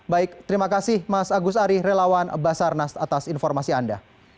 baik terima kasih mas agus ari relawan basarnas atas informasi anda